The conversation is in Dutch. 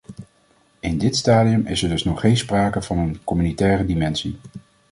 In dit stadium is er dus nog geen sprake van een communautaire dimensie.